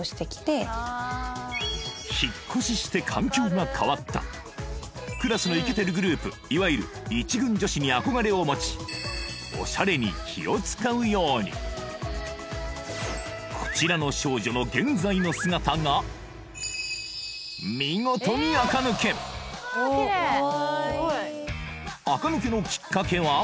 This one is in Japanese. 引っ越しして環境が変わったクラスのイケてるグループいわゆる一軍女子に憧れを持ちオシャレに気を使うようにこちらの少女の現在の姿が見事に垢抜けのきっかけは？